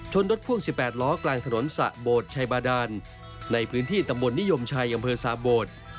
รถพ่วง๑๘ล้อกลางถนนสะโบดชัยบาดานในพื้นที่ตำบลนิยมชัยอำเภอสาโบด